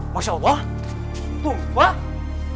masya allah tuhan